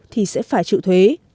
thì sẽ phải chịu thuế